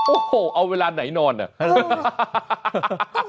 โอ้โหเอาเวลาไหนนอนเนี่ย